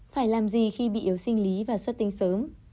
phải làm gì khi bị yếu sinh lý và xuất tinh sớm